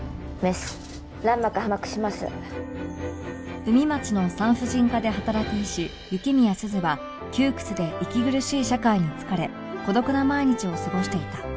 海街の産婦人科で働く医師雪宮鈴は窮屈で息苦しい社会に疲れ孤独な毎日を過ごしていた